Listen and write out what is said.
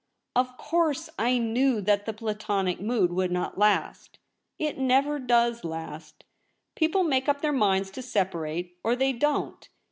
Of course I knew that the Platonic mood would not last. It never does last. People make up their minds to separate — or — they don't.